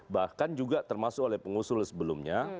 bahkan juga termasuk oleh pengusul sebelumnya